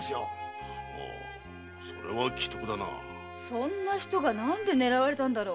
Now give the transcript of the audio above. そんな人が何で狙われたんだろ？